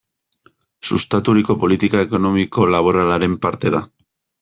Sustaturiko politika ekonomiko-laboralaren parte da.